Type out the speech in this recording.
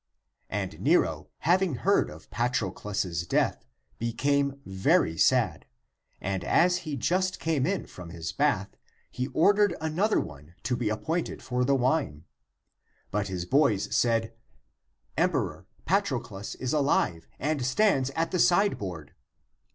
And Nero, having heard of Patroclus's death, became very sad, and as he just came in from his bath, he ordered another one to be appointed for the wine. But his boys said, " Emperor, Patroclus is alive, and stands at the sideboard."